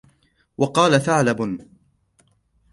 وَقَالَ ثَعْلَبٌ